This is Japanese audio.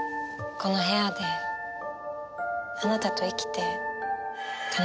この部屋であなたと生きて楽しかった。